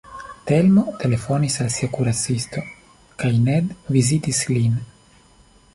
Telmo telefonis al sia kuracisto kaj Ned vizitis lin.